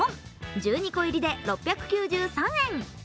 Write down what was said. １２個入りで６９３円。